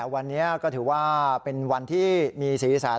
วันนี้เป็นวันที่มีสีแสน